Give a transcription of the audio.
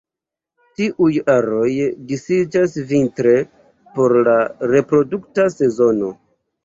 Tiuj aroj disiĝas vintre por la reprodukta sezono.